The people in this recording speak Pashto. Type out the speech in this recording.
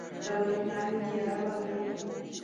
که برښنا وي، تیاره به نه وي.